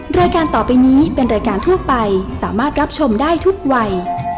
รายการต่อไปนี้เป็นรายการทั่วไปสามารถรับชมได้ทุกวัย